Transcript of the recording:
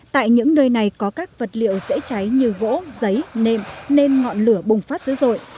tại những nơi này có các vật liệu dễ cháy như gỗ giấy nệm nên ngọn lửa bùng phát dữ dội